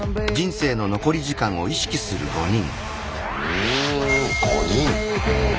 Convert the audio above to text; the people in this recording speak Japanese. うん５人。